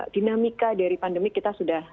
dinamika dari pandemi kita sudah